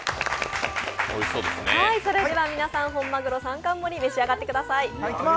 それでは皆さん、本鮪３貫盛り、召し上がってください。